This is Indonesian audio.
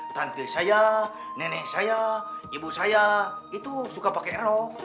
tante saya nenek saya ibu saya itu suka pakai rok